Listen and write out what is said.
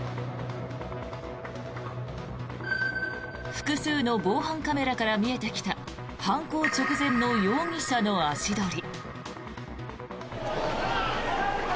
複数の防犯カメラから見えてきた犯行直前の容疑者の足取り。